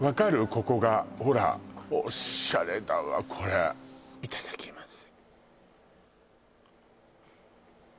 ここがほらオシャレだわこれいただきます